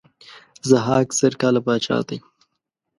ضحاک زر کاله پاچا دی.